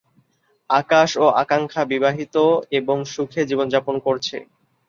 আকাশ ও আকাঙ্ক্ষা বিবাহিত এবং সুখে জীবন যাপন করছে।